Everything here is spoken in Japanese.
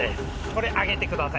これあげてください。